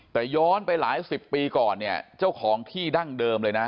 แต่ย้อนไปหลายสิบปีก่อนเนี่ยเจ้าของที่ดั้งเดิมเลยนะ